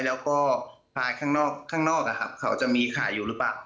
แล้วก็พาข้างนอกเขาจะมีขายอยู่หรือเปล่า